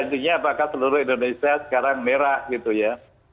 intinya apakah seluruh indonesia sekarang merah gitu ya